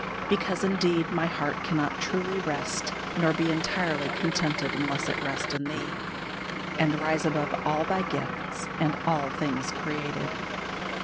"Because, indeed, my heart cannot truly rest nor be entirely contented unless it rest in Thee, and rise above all Thy gifts and all things created.